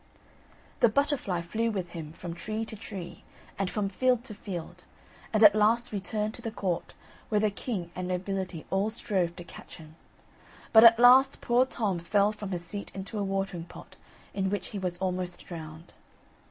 The butterfly flew with him from tree to tree and from field to field, and at last returned to the court, where the king and nobility all strove to catch him; but at last poor Tom fell from his seat into a watering pot, in which he was almost drowned.